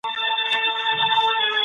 دا بکس په لرګیو جوړ سوی دی.